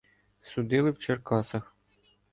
Судили в Черкасах.